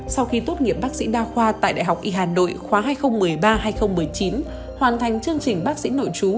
sau khi tốt nghiệp bác sĩ đa khoa tại đại học y hàn đội khoa hai nghìn một mươi ba hai nghìn một mươi chín hoàn thành chương trình bác sĩ nội trú